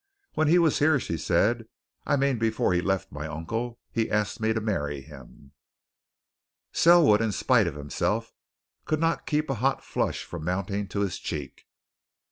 "When he was here," she said, "I mean before he left my uncle, he asked me to marry him." Selwood, in spite of himself, could not keep a hot flush from mounting to his cheek.